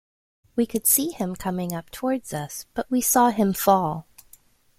We could see him coming up towards us, but we saw him fall.